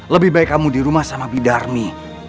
lebih baik kamu di rumah sama bidarmi